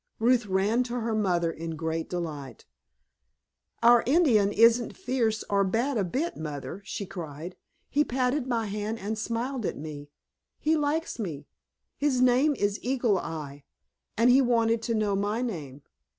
Ruth ran to her mother in great delight. "Our Indian isn't fierce or bad a bit, Mother," she cried, "he patted my hand and smiled at me. He likes me. His name is 'Eagle Eye,' and he wanted to know my name.